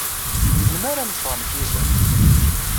Melmi ara neffeɣ nekk yid-m?